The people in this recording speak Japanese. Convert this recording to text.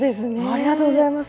ありがとうございます。